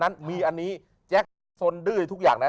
ขโมยปลาทอง